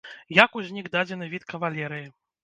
Як узнік дадзены від кавалерыі?